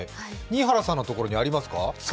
新原さんのところにありますか？